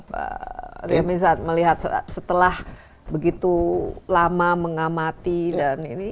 pak remiza melihat setelah begitu lama mengamati dan ini